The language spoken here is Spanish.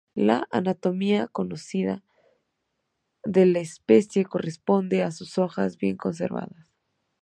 La anatomía conocida de la especie corresponde a sus hojas, bien conservadas.